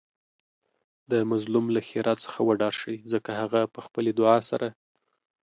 د مظلوم له ښیرا څخه وډار شئ ځکه هغه په خپلې دعاء سره